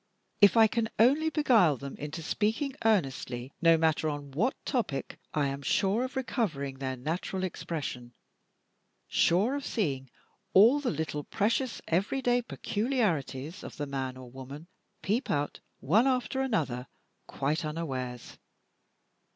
If I can only beguile them into speaking earnestly, no matter on what topic, I am sure of recovering their natural expression; sure of seeing all the little precious everyday peculiarities of the man or woman peep out, one after another, quite unawares.